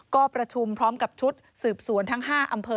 ก็ประชุมพร้อมกับชุดสืบสวนทั้ง๕อำเภอ